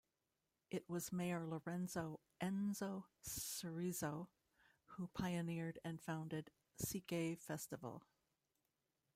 It was Mayor Lorenzo "Enzo" Cerezo who pioneered and founded "Sigay Festival".